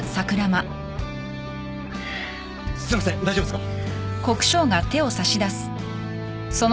すいません大丈夫っすか？